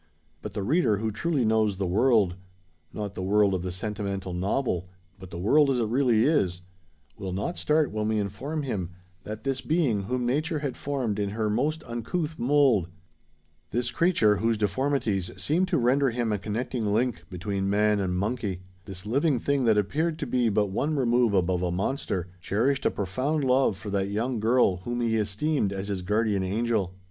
But the reader who truly knows the world,—not the world of the sentimental novel, but the world as it really is,—will not start when we inform him that this being whom nature had formed in her most uncouth mould,—this creature whose deformities seemed to render him a connecting link between man and monkey,—this living thing that appeared to be but one remove above a monster, cherished a profound love for that young girl whom he esteemed as his guardian angel.